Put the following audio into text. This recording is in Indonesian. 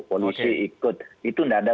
polisi ikut itu tidak ada